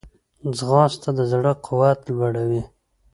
ځغاسته د زړه قوت لوړوي